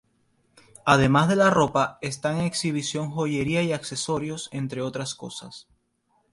Además de la ropa están en exhibición joyería y accesorios entre otras cosas.